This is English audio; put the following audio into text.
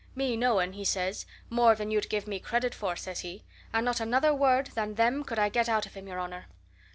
'Me knowing,' he says, 'more than you'd give me credit for,' says he. And not another word than them could I get out of him, your honour."